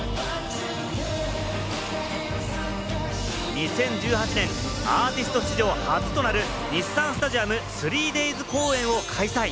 ２０１８年、アーティスト史上初となる日産スタジアム３ＤＡＹＳ公演を開催。